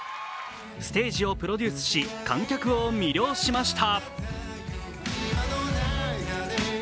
ステージをプロデュースし観客を魅了しました。